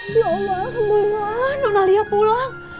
ya allah alhamdulillah non alia pulang